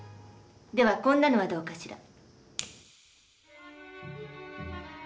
ではこんなのはどうかしら。